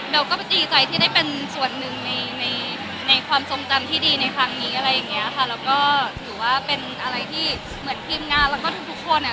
ก็ดีใจที่ได้เป็นส่วนหนึ่งในในความทรงจำที่ดีในครั้งนี้อะไรอย่างเงี้ยค่ะแล้วก็ถือว่าเป็นอะไรที่เหมือนทีมงานแล้วก็ทุกทุกคนอ่ะ